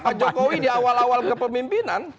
pak jokowi di awal awal kepemimpinan